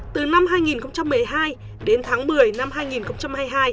từ năm hai nghìn một mươi hai đến tháng một mươi năm hai nghìn hai mươi hai